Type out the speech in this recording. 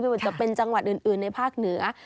ว่าจะเป็นจังหวัดอื่นในภาคเหนือ